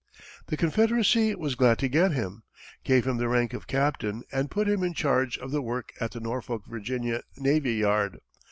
The Confederacy was glad to get him, gave him the rank of captain and put him in charge of the work at the Norfolk, Virginia, navy yard.